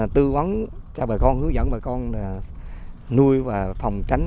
tư vấn cho bà con hướng dẫn bà con nuôi và phòng tránh